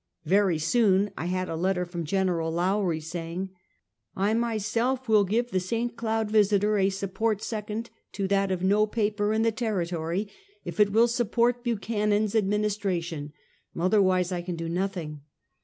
Yery soon I had a letter from Gen. Lowrie, saying: " I myself will give the St, Cloud Visiter a support second to that of no paper in the territory, if it will support Buchanan's administration. Otherwise I can do nothing."